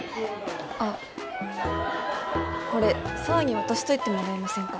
あっこれ紗羽に渡しといてもらえませんか？